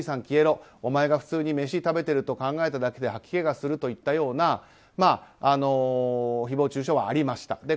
消えろお前が普通に飯を食べてると考えただけで吐き気がするといったような誹謗中傷はありました。